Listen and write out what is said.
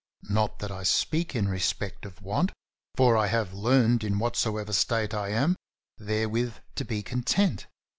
Not that I speak in respect of want, for I have learned in whatsoever state I am therewith to be content.